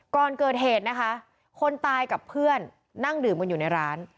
ก่อนเกิดเหตุนะคะคนตายกับเพื่อนนั่งดื่มกันอยู่ในร้าน